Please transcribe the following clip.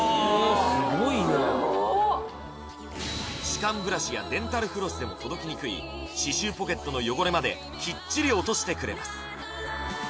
歯間ブラシやデンタルフロスでも届きにくい歯周ポケットの汚れまできっちり落としてくれます